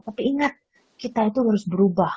tapi ingat kita itu harus berubah